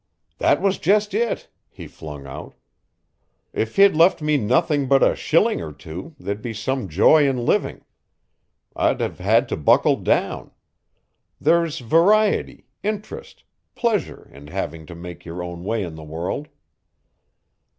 "That was just it!" he flung out. "If he'd left me nothing but a shilling or two there'd be some joy in living. I'd have had to buckle down. There's variety, interest, pleasure in having to make your own way in the world."